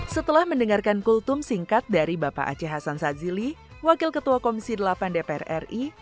setelah mendengarkan kultum singkat dari bapak aceh hasan sazili wakil ketua komisi delapan dpr ri